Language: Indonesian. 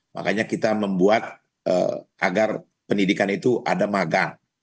makanya kita membuat agar pendidikan itu ada magang